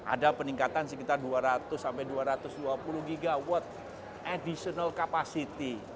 ada peningkatan sekitar dua ratus sampai dua ratus dua puluh gigawatt additional capacity